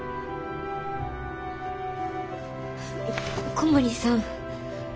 小森さん。